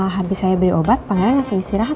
habis saya beli obat pangeran masih istirahat